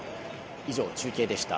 以上、中継でした。